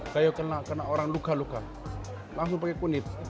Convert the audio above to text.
kayak kena orang luka luka langsung pakai kunyit